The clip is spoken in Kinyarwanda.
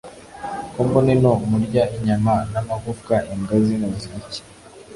kombona ino murya inyama namagufwa imbwa zino zirya iki